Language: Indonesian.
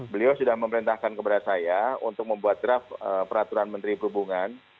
beliau sudah memerintahkan kepada saya untuk membuat draft peraturan menteri perhubungan